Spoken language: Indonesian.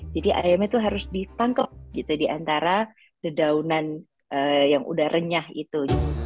jadi ayamnya itu harus ditangkap di antara dedaunan yang udah renyah itu